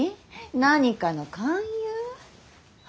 何かの勧誘？